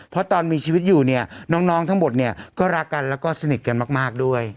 เพราะตอนมีชีวิตอยู่เนี่ยน้องทั้งหมดเนี่ยก็รักกันแล้วก็สนิทกันมากด้วย